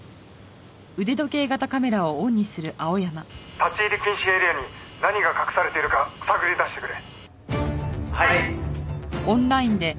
「立ち入り禁止エリアに何が隠されているか探り出してくれ」